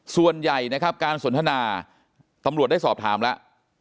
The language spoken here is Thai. ส่วนใหญ่นะครับการสนทนาตำรวจได้สอบถามแล้ว